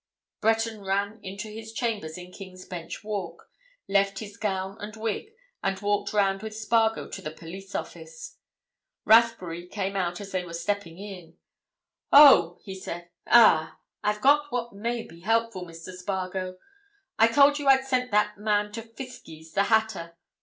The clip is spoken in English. Breton ran into his chambers in King's Bench Walk, left his gown and wig, and walked round with Spargo to the police office. Rathbury came out as they were stepping in. "Oh!" he said. "Ah!—I've got what may be helpful, Mr. Spargo. I told you I'd sent a man to Fiskie's, the hatter!